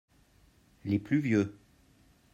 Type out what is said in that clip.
Les plus vieux.